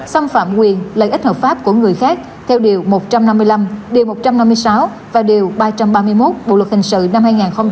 xâm phạm quyền lợi ích hợp pháp của người khác theo điều một trăm năm mươi năm điều một trăm năm mươi sáu và điều ba trăm ba mươi một bộ luật hình sự năm hai nghìn một mươi năm